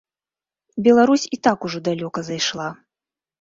Беларусь і так ужо далёка зайшла.